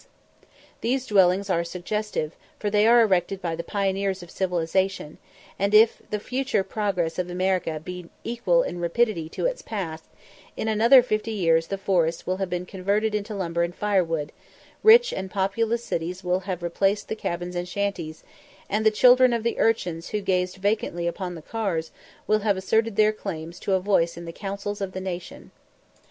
These dwellings are suggestive, for they are erected by the pioneers of civilization; and if the future progress of America be equal in rapidity to its past, in another fifty years the forests will have been converted into lumber and firewood rich and populous cities will have replaced the cabins and shanties and the children of the urchins who gazed vacantly upon the cars will have asserted their claims to a voice in the councils of the nation.